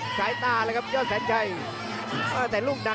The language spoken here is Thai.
กระโดยสิ้งเล็กนี่ออกกันขาสันเหมือนกันครับ